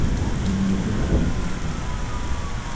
Il n’y a personne, c’est sûr.